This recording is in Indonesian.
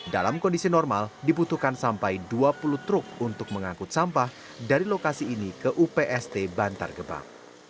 dalam kondisi normal dibutuhkan sampai dua puluh truk untuk mengangkut sampah dari lokasi ini ke upst bantar gebang